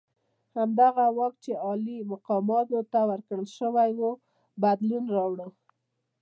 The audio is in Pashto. همدغه واک چې عالي مقامانو ته ورکړل شوی وو بدلون راوړ.